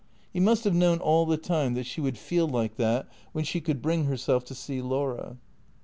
He must have known all the time that she would feel like that when she could bring herself to see Laura.